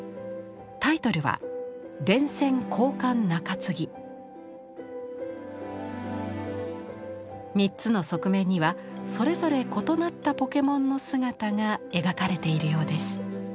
タイトルは３つの側面にはそれぞれ異なったポケモンの姿が描かれているようです。